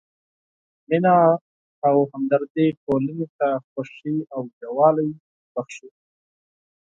مینه او همدردي ټولنې ته خوښي او یووالی بښي.